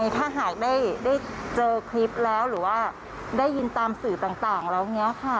ถ้าหากได้เจอคลิปแล้วหรือว่าได้ยินตามสื่อต่างแล้วอย่างนี้ค่ะ